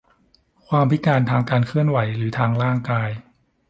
ความพิการทางการเคลื่อนไหวหรือทางร่างกาย